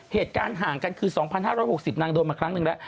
เหตุการณ์ห่างกันคือ๒๕๖๐นางโดนมาครั้งหนึ่งแล้ว